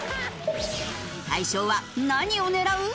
大昇は何を狙う？